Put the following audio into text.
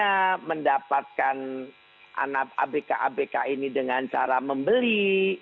misalnya mendapatkan anak abk abk ini dengan cara membeli